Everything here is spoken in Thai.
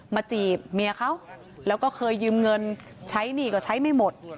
จีบเมียเขาแล้วก็เคยยืมเงินใช้หนี้ก็ใช้ไม่หมด